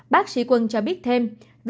bác sĩ quân cho biết thêm